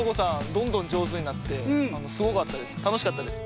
どんどんじょうずになってすごかったです。